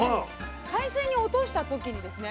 海水に落とした時にですね